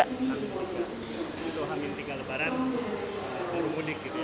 itu hamin tiga lebaran baru mudik gitu ya